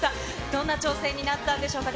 どんな挑戦になったんでしょうか。